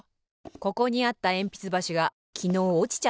ここにあったえんぴつばしがきのうおちちゃったのよ。